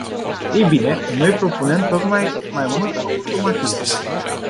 Ei bine, noi propunem tocmai mai mult automatism.